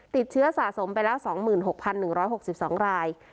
ติดเชื้อสะสมไปแล้วสองหมื่นหกพันหนึ่งร้อยหกสิบสองราย